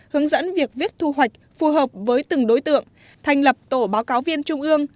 hướng dẫn việc viết thu hoạch phù hợp với từng đối tượng thành lập tổ báo cáo viên trung ương